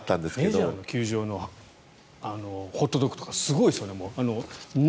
メジャーの球場のホットドックとかすごいですよね。